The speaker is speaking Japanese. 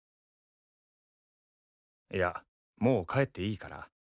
いやもう帰っていいから。